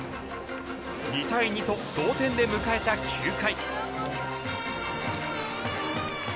２対２と同点で迎えた９回。